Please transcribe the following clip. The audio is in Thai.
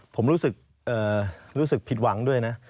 ผมรู้สึกผิดหวังด้วยนะ